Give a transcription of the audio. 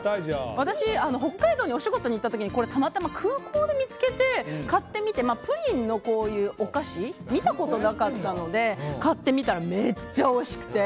私、北海道にお仕事に行った時にこれ、たまたま空港で見つけて買ってみてプリンのこういうお菓子見たことなかったので買ってみたらめっちゃおいしくて。